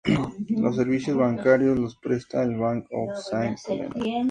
Los servicios bancarios los presta el Bank of Saint Helena.